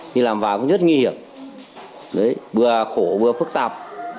đi làm vàng cũng rất nguy hiểm bừa khổ bừa phức tạp